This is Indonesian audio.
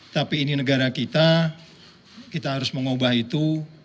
tapi ini negara kita kita harus mengubah itu